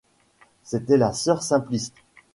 C’était la sœur Simplice.